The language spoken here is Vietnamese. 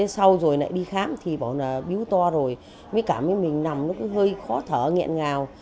sau rồi lại đi khám thì bảo là biếu to rồi mới cảm thấy mình nằm nó cũng hơi khó thở nghẹn ngào